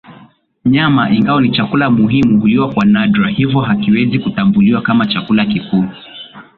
Nyama ingawa ni chakula muhimu huliwa kwa nadra hivyo hakiwezi kutambuliwa kama chakula kikuu